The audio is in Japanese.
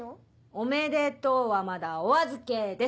「おめでとう」はまだお預けです。